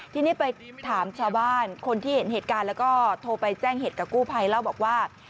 ทีนี้ไปถามชาวบ้านคนที่เห็นเหตุการณ์แล้วก็โทรไปแจ้งเหตุกับกู้ภัยเล่าบอกว่า